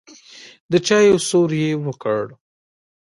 د چايو سور يې وکړ.